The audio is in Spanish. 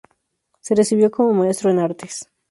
Se recibió como Maestro en Artes.